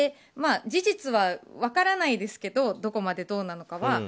事実は分からないですけどどこまでどうなのかは。